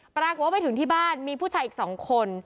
ปรากฏว่าไปถึงที่บ้านมีผู้ชายอีก๒คน